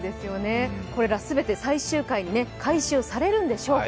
これら全て最終回に回収されるんでしょうか。